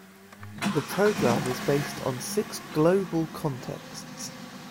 The program is based on six Global contexts.